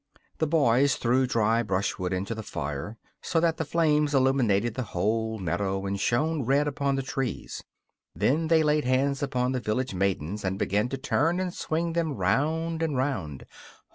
The boys threw dry brushwood into the fire so that the flames illuminated the whole meadow and shone red upon the trees. Then they laid hands upon the village maidens and began to turn and swing them round and round.